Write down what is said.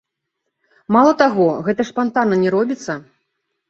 Мала таго, гэта ж спантанна не робіцца.